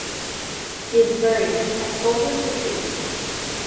He is buried at Soldier's Retreat.